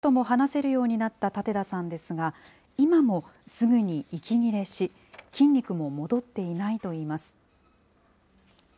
意識が戻り、医療スタッフとも話せるようになった舘田さんですが、今もすぐに息切れし、筋肉も戻っていないといいます。